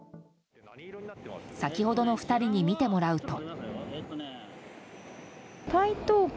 先ほどの２人に見てもらうと。